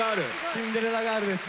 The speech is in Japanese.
「シンデレラガール」ですね。